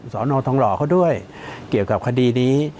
สอนอทองหล่อเขาด้วยเกี่ยวกับคดีนี้